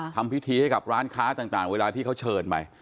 ทำพิธีให้กับร้านค้าต่างเวลาที่เขาเชิญไป